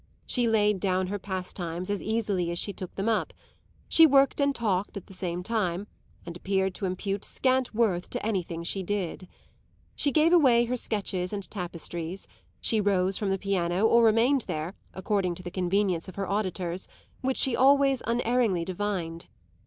She laid down her pastimes as easily as she took them up; she worked and talked at the same time, and appeared to impute scant worth to anything she did. She gave away her sketches and tapestries; she rose from the piano or remained there, according to the convenience of her auditors, which she always unerringly divined.